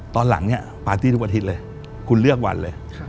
ตอนหลังเนี่ยปาร์ตี้ทุกอาทิตย์เลยคุณเลือกวันเลย